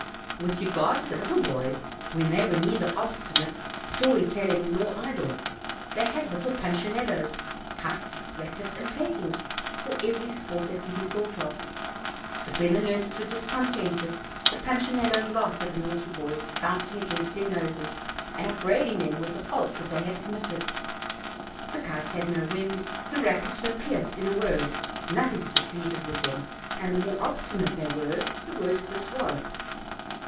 With regard to the little boys, when they were neither obstinate, story telling, nor idle, they had little punchinellos, kites, rackets, and playthings for every sport that can be thought of; but when the nurses were discontented, the punchinellos laughed at the naughty boys, bouncing against their noses, and upbraid ing them with the faults they had committed; the kites had no wind, the rackets were pierced in a word, noth ing succeeded with them, and the more obstinate they were the worse this was.